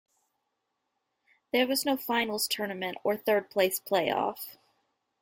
There was no finals tournament or third-place playoff.